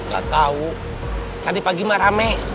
gak tau tadi pagi mah rame